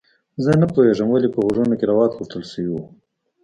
زه نه پوهیږم ولې په غوږونو کې روات غوښتل شوي وو